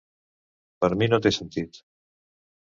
Per mi no té sentit.